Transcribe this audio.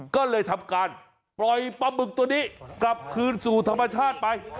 ก็เลยทำการปล่อยปลาบึกตัวนี้กลับคืนสู่ธรรมชาติไป